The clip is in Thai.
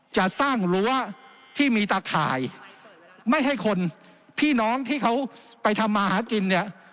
จะสร้างรั้วที่มีตะข่ายไม่ให้คนพี่น้องที่เขาไปทำมาหากินเนี่ย